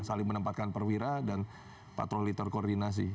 saling menempatkan perwira dan patroli terkoordinasi